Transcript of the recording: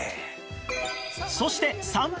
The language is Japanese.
そして３分後